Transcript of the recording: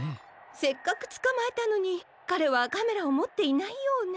せっかくつかまえたのにかれはカメラをもっていないようね。